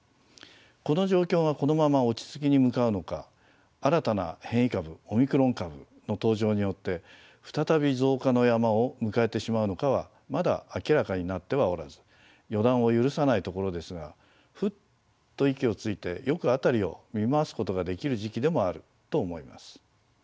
この状況がこのまま落ち着きに向かうのか新たな変異株オミクロン株の登場によって再び増加の山を迎えてしまうのかはまだ明らかになってはおらず予断を許さないところですがふっと息をついてよく辺りを見回すことができる時期でもあると思います。